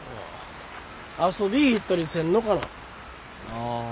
遊びぃ行ったりせんのかな？